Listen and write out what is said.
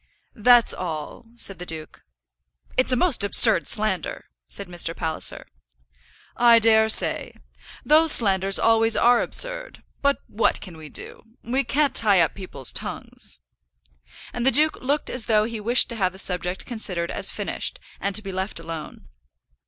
"That's all," said the duke. "It's a most absurd slander," said Mr. Palliser. "I dare say. Those slanders always are absurd; but what can we do? We can't tie up people's tongues." And the duke looked as though he wished to have the subject considered as finished, and to be left alone.